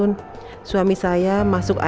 pasti tidak ada luka